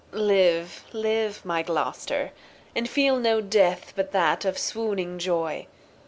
Live, live, my Gloster, And feel no Death, but that of swooning Joy